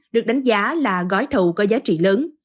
được đánh giá là gói thầu có giá trị lớn